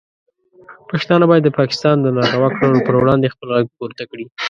پښتانه باید د پاکستان د ناروا کړنو پر وړاندې خپل غږ پورته کړي.